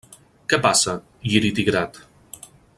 Què passa, Lliri Tigrat?